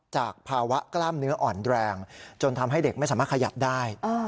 จากภาวะกล้ามเนื้ออ่อนแรงจนทำให้เด็กไม่สามารถขยับได้